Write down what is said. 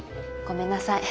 ごめんなさい。